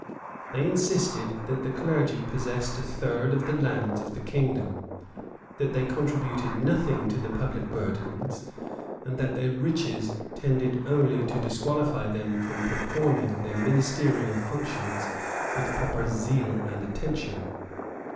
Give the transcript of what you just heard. They insisted that the clergy possessed a third of the lands of the kingdom; that they contributed nothing to the public burdens; and that their riches tended only to disqualify them from performing their ministerial functions with proper zeal and attention.